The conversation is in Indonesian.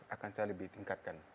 akan saya lebih tingkatkan